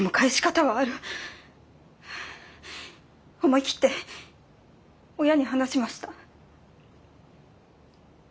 思いきって親に話しました。